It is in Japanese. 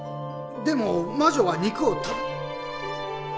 でも魔女は肉を。